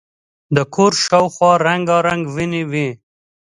د کور شاوخوا رنګارنګ ونې وې.